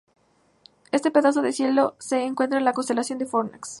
Este pedazo de cielo se encuentra en la constelación de Fornax.